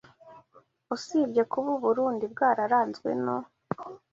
Usibye kuba u Burundi bwararanzwe no